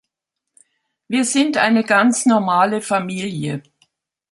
Wir sind eine ganz normale Familie.